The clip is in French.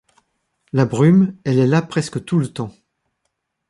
La brume, elle est là presque tout le temps.